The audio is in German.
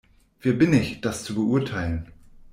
Wer bin ich, das zu beurteilen?